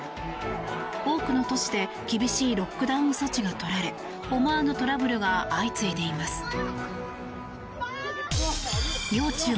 多くの都市で厳しいロックダウン措置がとられ思わぬトラブルが相次いでいます。